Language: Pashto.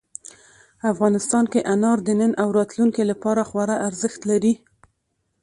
افغانستان کې انار د نن او راتلونکي لپاره خورا ارزښت لري.